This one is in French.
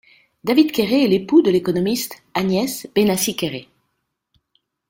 David Quéré est l'époux de l'économiste Agnès Bénassy-Quéré.